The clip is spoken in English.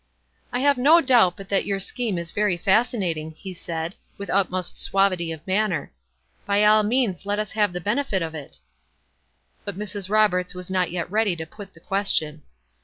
" I have no doubt but that your scheme is very fascinating," he said, with utmost suavitj' of manner. " By all means let u& have the benefit of it." But Mrs. Roberts was not yet ready to put the question.